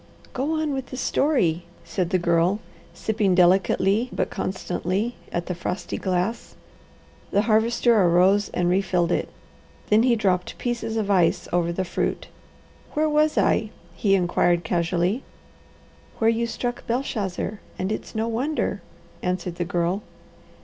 "Go on with the story," said the Girl, sipping delicately but constantly at the frosty glass. The Harvester arose and refilled it. Then he dropped pieces of ice over the fruit. "Where was I?" he inquired casually. "Where you struck Belshazzar, and it's no wonder," answered the Girl.